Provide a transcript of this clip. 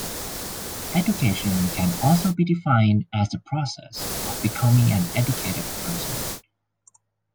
Education can also be defined as the process of becoming an educated person.